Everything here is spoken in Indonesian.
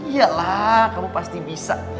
yalah kamu pasti bisa